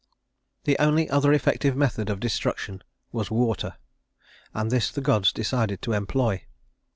The only other effective method of destruction was water, and this the gods decided to employ.